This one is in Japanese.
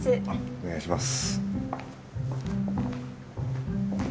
お願いします。